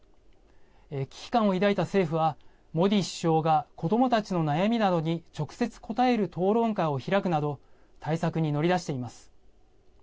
危機感を抱いた政府はモディ首相が子どもたちの悩みなどに直接、答える討論会を開くなど対策に乗り出しています。